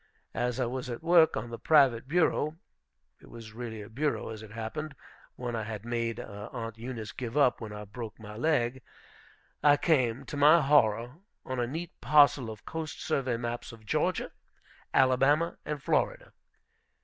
As I was at work on the private bureau, it was really a bureau, as it happened, one I had made Aunt Eunice give up when I broke my leg, I came, to my horror, on a neat parcel of coast survey maps of Georgia, Alabama, and Florida.